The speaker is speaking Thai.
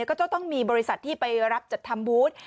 ก็จะต้องมีบริษัทที่ไปรับจัดทำบูธ